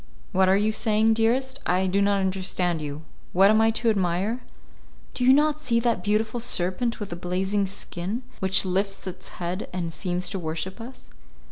"What are you saying, dearest? I do not understand you. What am I to admire?" "Do you not see that beautiful serpent with the blazing skin, which lifts its head and seems to worship us?"